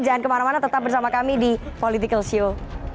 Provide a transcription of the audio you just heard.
jangan kemana mana tetap bersama kami di political show